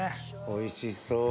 おいしそう。